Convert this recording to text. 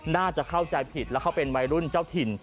น่าจะเข้าใจผิดแล้วเขาเป็นวัยรุ่นเจ้าถิ่น